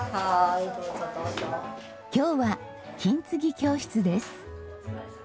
今日は金継ぎ教室です。